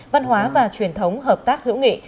văn hóa và truyền thống hợp tác hữu nghị